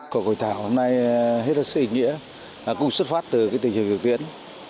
của hội thảo hôm nay hết rất sự ý nghĩa cũng xuất phát từ cái tình trạng thực tiễn